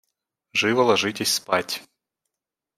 Живо ложитесь спать.